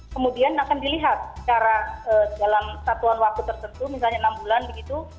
kemudian akan dilihat secara dalam satuan waktu tertentu misalnya enam bulan begitu